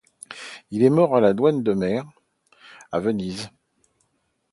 Il est mort à la douane de mer, à Venise.